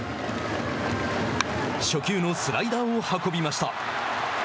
初球のスライダーを運びました。